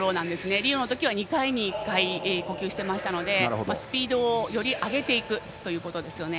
リオのときは２回に１回呼吸していたのでスピードをより上げていくということですね。